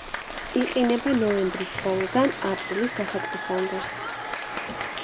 იყინება ნოემბრის ბოლოდან აპრილის დასაწყისამდე.